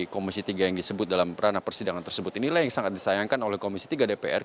komisi tiga yang disebut dalam perana persidangan tersebut inilah yang sangat disayangkan oleh komisi tiga dpr